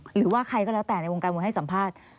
หรือใครระเท่าเดียวในการหมวยให้สัมภาษณ์